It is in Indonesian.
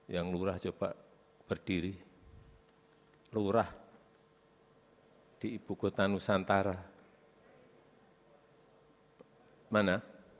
yang lurah coba berdiri lurah di ibu kota nusantara mana